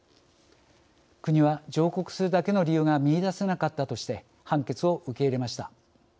国は上告するだけの理由が見いだせなかったとして判決を受け入れました。